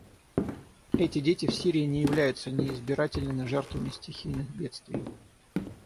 Эти дети в Сирии не являются неизбирательными жертвами стихийных бедствий.